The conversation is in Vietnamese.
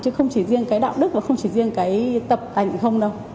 chứ không chỉ riêng cái đạo đức và không chỉ riêng cái tập ảnh không đâu